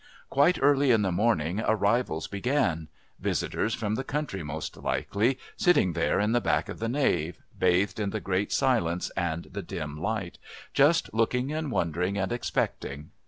Quite early in the morning arrivals began visitors from the country most likely, sitting there at the back of the nave, bathed in the great silence and the dim light, just looking and wondering and expecting.